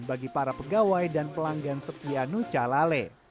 bagi para pegawai dan pelanggan setia nucalale